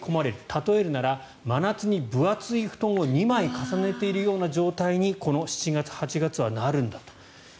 例えるなら真夏に分厚い布団を２枚重ねているような状態にこの７月、８月はなるんだと。